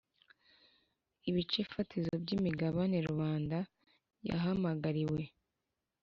Ibice fatizo by imigabane rubanda yahamagariwe